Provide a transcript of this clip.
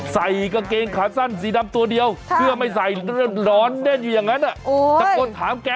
ใส่กระเกงขาดสั้นสีดำตัวเดียวเพื่อไม่ใส่ร้อนแน่นอยู่อย่างนั้น